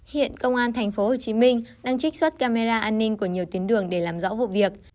hiện công an tp hcm đang trích xuất camera an ninh của nhiều tuyến đường để làm rõ vụ việc